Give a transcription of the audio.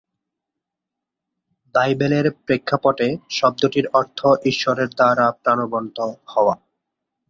বাইবেলের প্রেক্ষাপটে শব্দটির অর্থ ঈশ্বরের দ্বারা প্রাণবন্ত হওয়া।